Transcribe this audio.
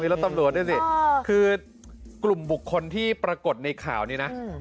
แล้วตำรวจด้วยสิคือกลุ่มบุคคลที่ปรากฏในข่าวนี้นะ